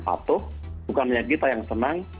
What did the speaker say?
patuh bukan hanya kita yang senang